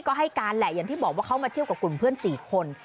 ก็ให้การแหละอย่างที่บอกว่าเขามาเที่ยวกับกลุ่มเพื่อน๔คน